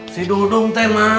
si dudung teh ma